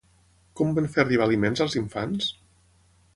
Com van fer arribar aliments als infants?